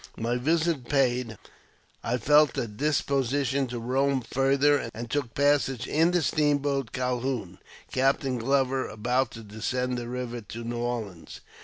My visit paid, I felt a disposition to roam farther, and took passage in the steamboat Calhoun, Captain Glover, about to descend the river to New Orleans.